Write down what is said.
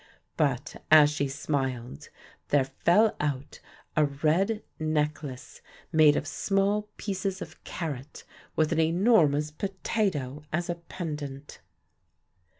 But, as she smiled, there fell out a red necklace made of small pieces of carrot with an enormous potato as a pendant.